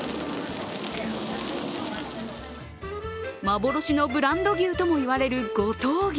幻のブランド牛ともいわれる五島牛。